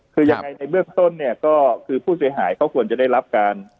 คือยังไงในเบื้องต้นเนี่ยก็คือผู้เสียหายเขาควรจะได้รับการ